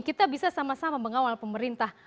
kita bisa sama sama mengawal pemerintah